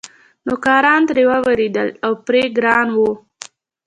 نوکران ترې وېرېدل او پرې ګران وو.